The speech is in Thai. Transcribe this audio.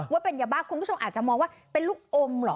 ว่าเป็นยาบ้าคุณผู้ชมอาจจะมองว่าเป็นลูกอมเหรอ